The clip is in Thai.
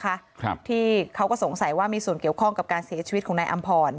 ครับที่เขาก็สงสัยว่ามีส่วนเกี่ยวข้องกับการเสียชีวิตของนายอำพร